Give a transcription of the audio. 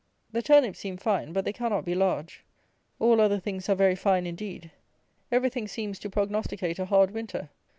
The turnips seem fine; but they cannot be large. All other things are very fine indeed. Everything seems to prognosticate a hard winter.